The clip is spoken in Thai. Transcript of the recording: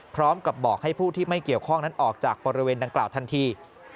พร้อมกับบอกให้ผู้ที่ไม่เกี่ยวข้องนั้นออกจากบริเวณดังกล่าวทันที